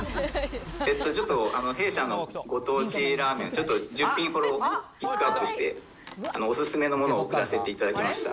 ちょっと弊社のご当地ラーメン、ちょっと１０品ほどピックアップして、お勧めのものを送らせていただきました。